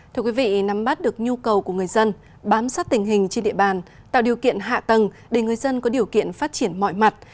thưa quý vị nắm bắt được nhu cầu của người dân bám sát tình hình trên địa bàn tạo điều kiện hạ tầng để người dân có điều kiện phát triển mọi mặt